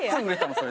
それ。